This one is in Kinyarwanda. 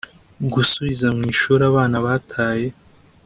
Gusubiza mu ishuri abana bataye